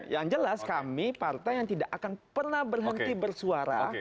yang jelas kami partai yang tidak akan pernah berhenti bersuara